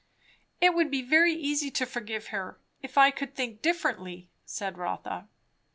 "It would be very easy to forgive her, if I could think differently," said Rotha.